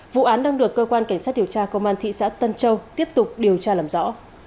vụ án đang được cơ quan cảnh sát điều tra công an thị xã tân châu tiếp tục điều tra làm rõ